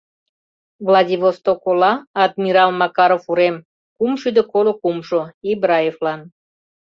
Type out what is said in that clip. Владивосток ола, адмирал Макаров урем, кумшӱдӧ коло кумшо, Ибраевлан.